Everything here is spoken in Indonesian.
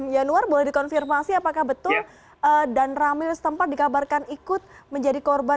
yanuar boleh dikonfirmasi apakah betul dan ramil setempat dikabarkan ikut menjadi korban